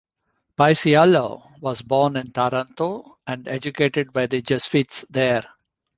Paisiello was born in Taranto and educated by the Jesuits there.